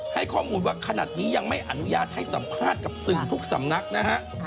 ให้ข้อมูลว่าขนาดนี้ยังไม่อนุญาตให้สัมภาษณ์กับสื่อทุกสำนักนะฮะ